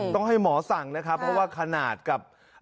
ต้องให้หมอสั่งนะครับเพราะว่าขนาดกับ